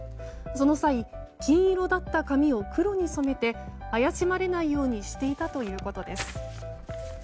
その際、金色だった髪を黒に染めて怪しまれないようにしていたということです。